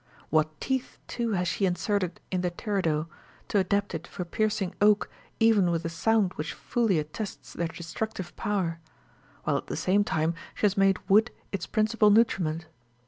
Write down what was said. What teeth, too, has she inserted in the teredo, * to adapt it for piercing oak even with a sound which fully attests their destructive power ! while at the same time she has made wood its principal nutriment.